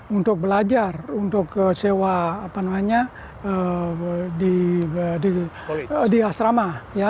untuk belajar untuk sewa apa namanya di asrama